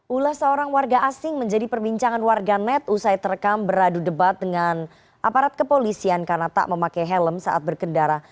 ulas seorang warga asing menjadi perbincangan warga net usai terekam beradu debat dengan aparat kepolisian karena tak memakai helm saat berkendara